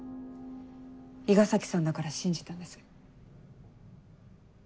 伊賀崎さんだから信じたんです。